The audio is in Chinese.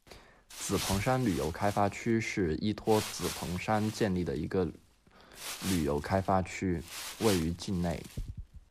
紫蓬山旅游开发区是依托紫蓬山建立的一个旅游开发区，位于境内。